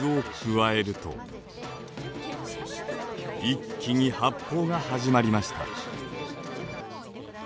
一気に発泡が始まりました。